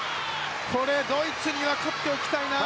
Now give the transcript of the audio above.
ドイツには勝っておきたいな。